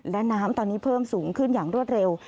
และน้ำตอนนี้เพิ่มสูงขึ้นอย่างรวดเร็ว